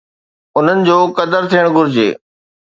انهن جو قدر ٿيڻ گهرجي.